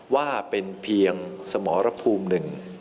ว่าเป็นเพียงสมรภูมิหนึ่ง